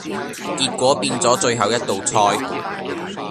結果變左最後一道菜